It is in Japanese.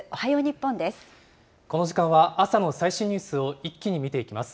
この時間は、朝の最新ニュースを一気に見ていきます。